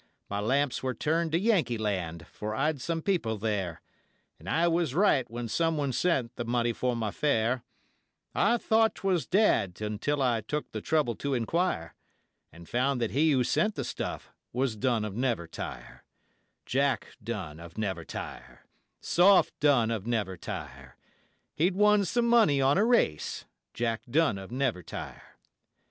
My lamps were turned to Yankee Land, for I'd some people there, And I was right when someone sent the money for my fare; I thought 'twas Dad until I took the trouble to enquire, And found that he who sent the stuff was Dunn of Nevertire, Jack Dunn of Nevertire, Soft Dunn of Nevertire; He'd won some money on a race Jack Dunn of Nevertire.